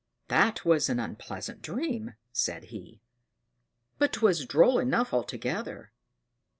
"That was an unpleasant dream," said he; "but 'twas droll enough altogether.